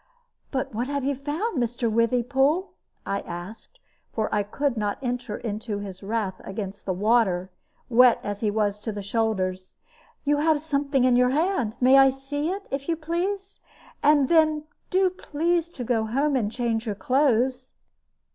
"But what have you found, Mr. Withypool?" I asked, for I could not enter into his wrath against the water, wet as he was to the shoulders. "You have something in your hand. May I see it, if you please? And then do please to go home and change your clothes."